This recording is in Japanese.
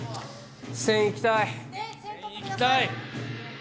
１０００いきたい。